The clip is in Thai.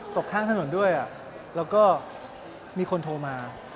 ตกข้างถนนด้วยแล้วก็มีคนโทรมา